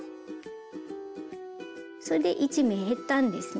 それで１目減ったんですね。